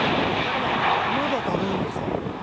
まだ食べるんですか！？